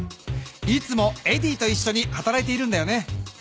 いつもエディといっしょにはたらいているんだよね。